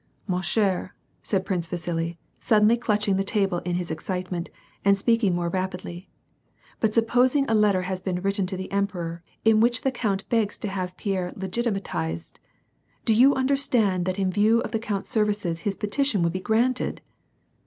^^Ma ehere,'^ said Prince Vasili, suddenly clutching the table in his excitement, and speaking more rapidly :" But supposing a letter has been written to the emperor, in which the count begs to have Pierre legitimatized ? Don't you under stand that in view of the count's services his petition would be granted